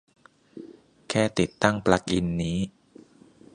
แค่ติดตั้งปลั๊กอินนี้